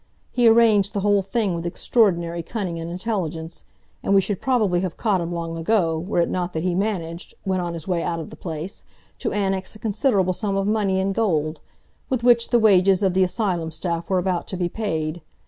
He arranged the whole thing with extraordinary cunning and intelligence, and we should probably have caught him long ago, were it not that he managed, when on his way out of the place, to annex a considerable sum of money in gold, with which the wages of the asylum staff were about to be paid.